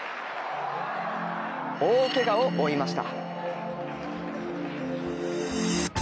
大けがを負いました。